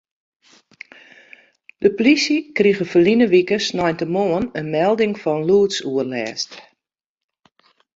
De polysje krige ferline wike sneintemoarn in melding fan lûdsoerlêst.